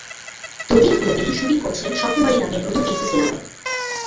দুই দিন ধরে তিনি শুটিং করছেন স্বপ্নবাড়ি নামের নতুন একটি সিনেমায়।